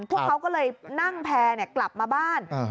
พวกเขาก็เลยนั่งแพร่กลับมาบ้าน